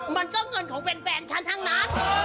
มันก็เงินของแฟนฉันทั้งนั้น